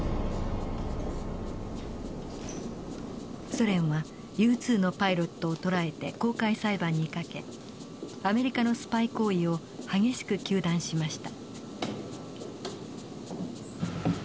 ソ連はＵ２のパイロットを捕らえて公開裁判にかけアメリカのスパイ行為を激しく糾弾しました。